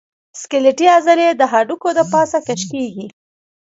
سکلیټي عضلې د هډوکو د پاسه کش کېږي.